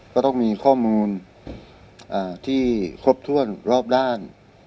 ก็ต้องมีข้อมูลที่ครบถ้วนรอบด้าน